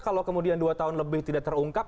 kalau kemudian dua tahun lebih tidak terungkap